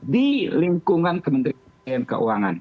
di lingkungan kementerian keuangan